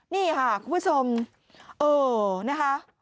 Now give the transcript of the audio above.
นี่ค่ะคุณผู้ชมเออนะคะ